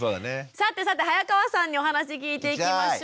さてさて早川さんにお話聞いていきましょう。